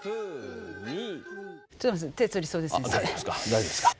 大丈夫ですか？